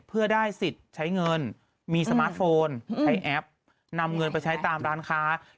เพื่อได้สิทธิ์ใช้เงินมีสมาร์ทโฟนใช้แอปนำเงินไปใช้ตามร้านค้า